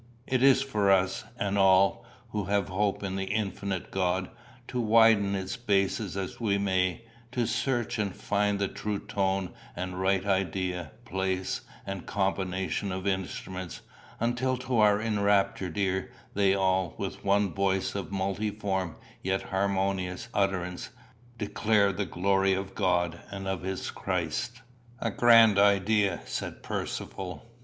It is for us, and all who have hope in the infinite God, to widen its basis as we may, to search and find the true tone and right idea, place, and combination of instruments, until to our enraptured ear they all, with one voice of multiform yet harmonious utterance, declare the glory of God and of his Christ." "A grand idea," said Percivale.